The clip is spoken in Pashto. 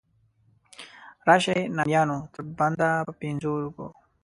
راشئ نامیانو تر بنده په پنځو روپو.